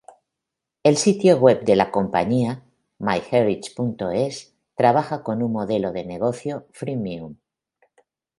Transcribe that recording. El sitio web de la compañía, MyHeritage.es, trabaja con un modelo de negocio freemium.